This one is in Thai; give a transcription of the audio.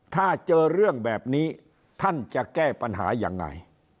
ถ้าเจอเรื่องแบบนี้ท่านจะแก้ปัญหายังไง